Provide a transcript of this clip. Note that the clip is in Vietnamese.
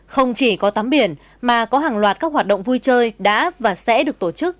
không chỉ có tắm biển mà có hàng loạt các hoạt động vui chơi đã và sẽ được tổ chức